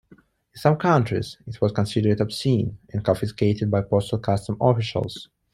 In some countries it was considered obscene, and confiscated by postal customs officials.